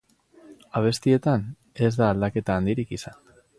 Abestietan ez da aldaketa handirik izan.